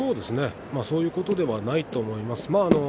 そういうことではないと思います。